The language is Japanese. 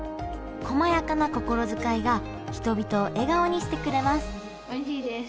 こまやかな心遣いが人々を笑顔にしてくれますおいしいです。